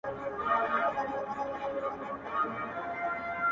سیاه پوسي ده، قندهار نه دی,